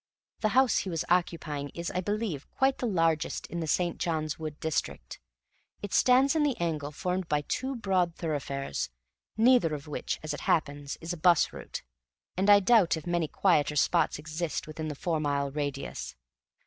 The house he was occupying is, I believe, quite the largest in the St. John's Wood district. It stands in the angle formed by two broad thoroughfares, neither of which, as it happens, is a 'bus route, and I doubt if many quieter spots exist within the four mile radius.